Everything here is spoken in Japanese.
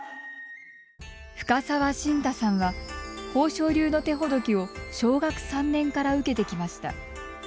深澤芯太さんは宝生流の手ほどきを小学３年から受けてきました。